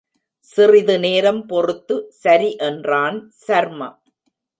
சிறிதுநேரம் பொறுத்து, சரி என்றான் சர்மா.